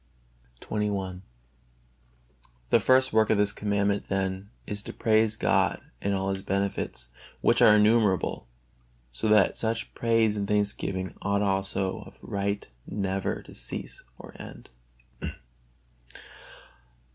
XXI. The first work of this Commandment then is, to praise God in all His benefits, which are innumerable, so that such praise and thanksgiving ought also of right never to cease or end.